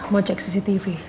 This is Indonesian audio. mau cek cctv